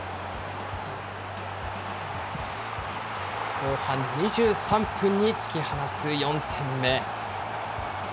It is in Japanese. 後半２３分に突き放す４点目。